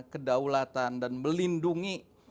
kedaulatan dan melindungi